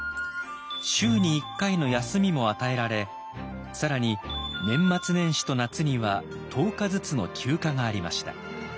週に１回の休みも与えられ更に年末年始と夏には１０日ずつの休暇がありました。